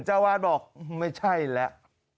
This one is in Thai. เจ้าอาวาสบอกไม่ใช่แหละ